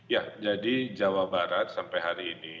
ya jadi jawa barat sampai hari ini